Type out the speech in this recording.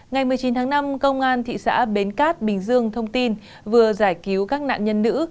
ngày một mươi chín tháng năm công an thị xã bến cát bình dương thông tin vừa giải cứu các nạn nhân nữ